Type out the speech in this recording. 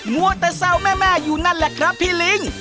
มัวแต่แซวแม่อยู่นั่นแหละครับพี่ลิง